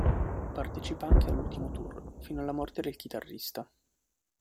Partecipa anche all'ultimo tour, fino alla morte del chitarrista.